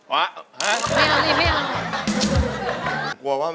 ไม่เอาดีไม่เอา